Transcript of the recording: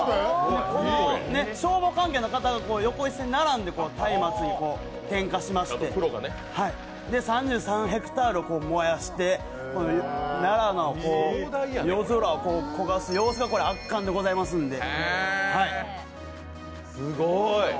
消防関係の方が横一線に並んでたいまつに点火しまして、３３ヘクタール燃やして奈良の夜空を焦がす様子が圧巻でございますので。